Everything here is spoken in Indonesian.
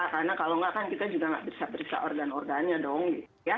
karena kalau enggak kan kita juga enggak berisap berisap organ organnya dong